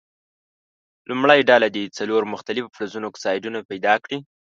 لومړۍ ډله دې څلور مختلفو فلزونو اکسایدونه پیداکړي.